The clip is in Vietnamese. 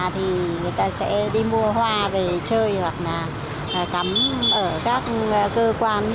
thì người ta sẽ đi mua hoa về chơi hoặc là cắm ở các cơ quan